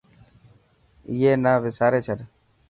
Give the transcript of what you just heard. ائي نا وساري ڇڏ.